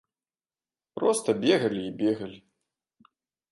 Проста бегалі і бегалі.